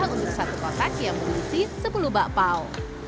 untuk satu kotak yang berisi sepuluh bakpao